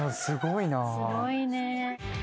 すごいね。